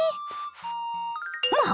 まあ！